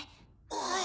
はい。